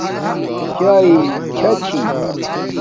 چاݵے چاچھی